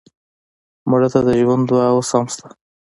مړه ته د ژوند دعا اوس هم شته